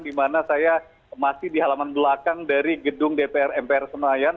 di mana saya masih di halaman belakang dari gedung dpr mpr senayan